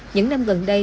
những năm gần đây